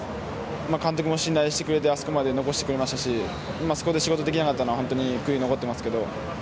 監督も信頼してくれてあそこまで残してくれましたしあそこで仕事ができなかったのは本当に悔いが残ってますけど。